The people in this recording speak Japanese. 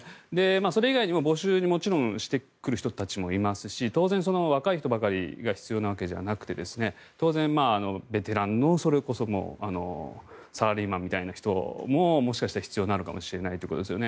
それ以外でも募集をしてくる人たちも当然いますし当然、若い人ばかりが必要なわけじゃなくて当然、ベテランのそれこそサラリーマンみたいな人ももしかしたら必要なのかもしれないということですよね。